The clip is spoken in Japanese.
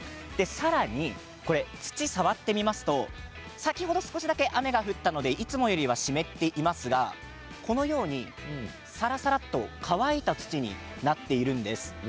さらに、土を触ってみますと先ほど少しだけ雨が降ったのでいつもよりは湿っていますがこのように、さらさらと乾いた土になっています。